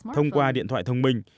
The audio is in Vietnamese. thông qua điện thoại thông minh